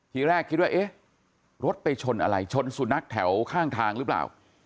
ทีแรกคิดว่าเอ๊ะรถไปชนอะไรชนสุนัขแถวข้างทางหรือเปล่า